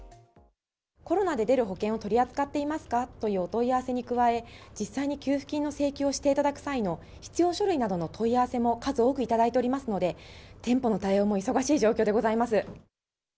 コロナで出る保険を取り扱っていますかというお問い合わせに加え、実際に給付金の請求をしてしまう際の必要書類などの問い合わせも数多く頂いておりますので、店舗の対応も忙しい状況でございます。